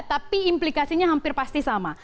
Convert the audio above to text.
tapi implikasinya hampir pasti sama